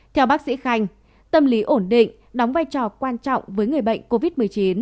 theo bác sĩ khanh tâm lý ổn định đóng vai trò quan trọng với người bệnh covid một mươi chín